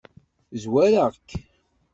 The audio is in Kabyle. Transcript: Zwareɣ-k.